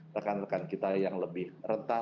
rekan rekan kita yang lebih rentah